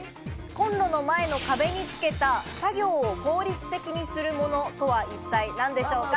コンロの前の壁につけた、作業を効率的にするものとは一体何でしょうか？